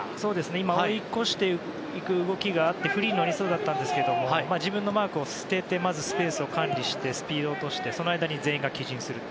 今追い越していく動きがあってフリーになりそうだったんですが自分のマークを捨ててまずスペースを管理してスピードを落としてその間に全員が帰陣する。